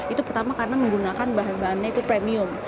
itu pertama karena menggunakan bahan bahannya itu premium